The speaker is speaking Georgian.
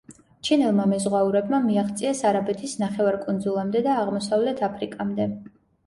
ჩინელმა მეზღვაურებმა მიაღწიეს არაბეთის ნახევარკუნძულამდე და აღმოსავლეთ აფრიკამდე.